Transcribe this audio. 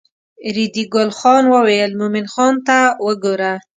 ریډي ګل خان وویل مومن خان ته وګوره.